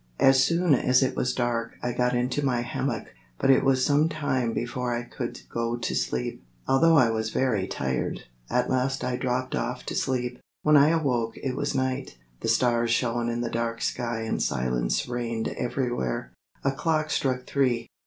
As soon as it was dark I got into my hammock, but it was some time before I could go to sleep, although I was very tired. At last I dropped off to sleep. When I awoke it was night. The stars shone in the dark sky and silence reigned everywhere. A clock struck three.